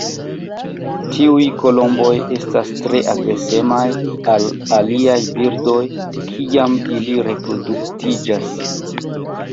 Tiuj kolomboj estas tre agresemaj al aliaj birdoj kiam ili reproduktiĝas.